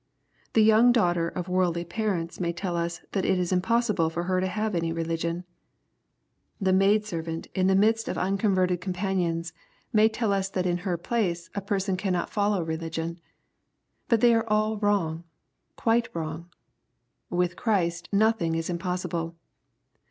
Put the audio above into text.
— The young daugh ter of worldly parents may tell us that it is impossible for her to have any religion. — The maid servant in the midsfc 246 EXPOSITORY THOUGHTS. of nuconverted compaDions, may tell us that in her plaoa a person cannot follow religion. — But they are all wrong, quite wrong. With Christ nothing is impossible.